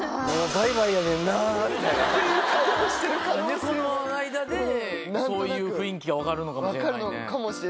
猫の間でそういう雰囲気が分かるのかもしれないね。